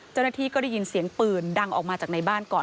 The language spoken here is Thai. เจ้าหน้าที่ก็ได้ยินเสียงปืนดังออกมาจากในบ้านก่อน